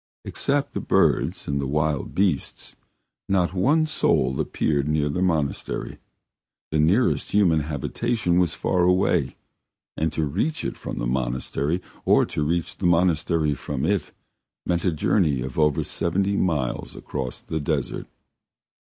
Except the birds and the wild beasts, not one soul appeared near the monastery. The nearest human habitation was far away, and to reach it from the monastery, or to reach the monastery from it, meant a journey of over seventy miles across the desert.